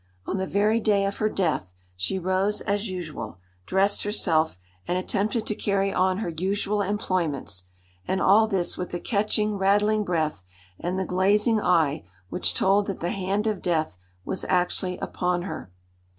On the very day of her death she rose as usual, dressed herself, and attempted to carry on her usual employments, and all this with the catching, rattling breath and the glazing eye which told that the hand of Death was actually upon her.